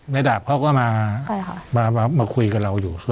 ดาบเขาก็มาคุยกับเราอยู่